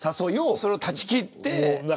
それを断ち切って。